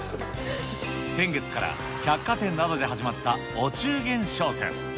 先月から、百貨店などで始まったお中元商戦。